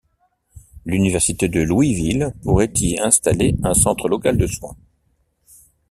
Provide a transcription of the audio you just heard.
L'université de Louisville pourrait y installer un centre local de soins.